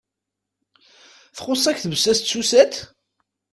Txus-ak tbessast d tsusat?